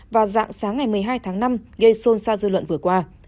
vào dạng sáng ngày một mươi hai tháng năm gây xôn xa dư luận vừa qua